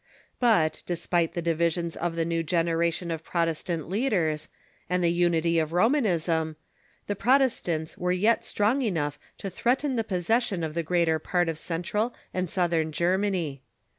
But, despite the divi sions of the new generation of Protestant leaders, and the unity of Romanism, the Protestants Avere yet strong enough to threaten the possession of the larger part of Central and Southern Germany.